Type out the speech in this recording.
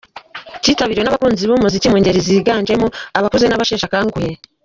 Cyitabiriwe n’abakunzi b’umuziki mu ngeri ziganjemo abakuze n’abasheshe akanguhe.